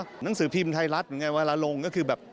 หนังสือพิมพ์ไทยรัฐเหมือนกันเวลาลงก็คือแบบ